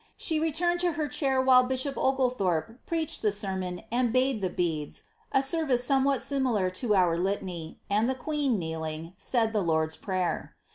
Slie returned to her cliair while bishop Ogleihorjie pmehed the sermon and " bade the beads," « service somewhat similar to our Litany, and the queen, kneeling, said the Lard's Prayer.